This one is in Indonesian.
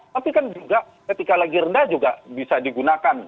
tapi kan juga ketika lagi rendah juga bisa digunakan